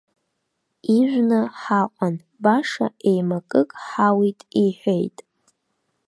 Ижәны ҳаҟан, баша еимакык ҳауит иҳәеит.